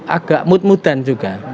agak mut mutan juga